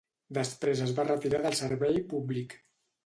Després es va retirar del servei públic.